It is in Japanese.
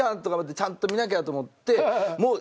ちゃんと見なきゃと思って。